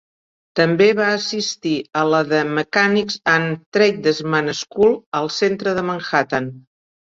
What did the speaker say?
També va assistir a la The Mechanics and Tradesman's School al centre de Manhattan.